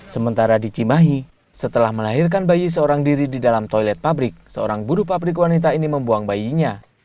sementara di cimahi setelah melahirkan bayi seorang diri di dalam toilet pabrik seorang buruh pabrik wanita ini membuang bayinya